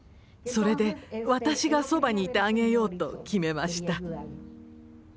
それで私がそばにいてあげようと決めました。